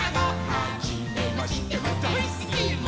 「はじめましてもだいすきも」